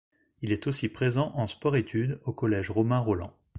Il est aussi présent en sport-études au collège Romain-Rolland.